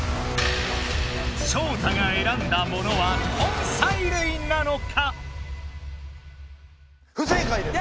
ショウタが選んだものは根菜類なのか⁉不正解です！